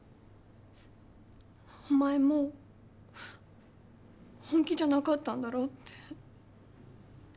「お前も本気じゃなかったんだろ」って